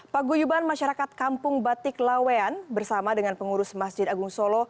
paguyuban masyarakat kampung batik lawean bersama dengan pengurus masjid agung solo